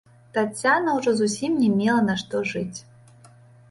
Таццяна ўжо зусім не мела на што жыць.